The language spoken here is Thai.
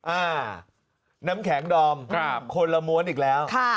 อ่าน้ำแข็งดอมคนละม้วนอีกแล้ว